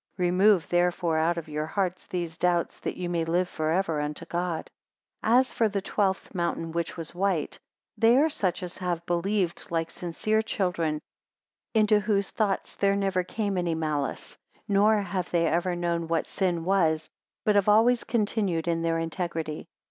243 Remove therefore out of your hearts these doubts, that ye may live for ever unto God. 244 As for the twelfth mountain, which was white, they are such as have believed like sincere children, into whose thoughts there never came any malice, nor have they ever known what sin was, but have always continued in their integrity.